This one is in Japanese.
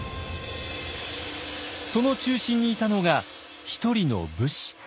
その中心にいたのが１人の武士。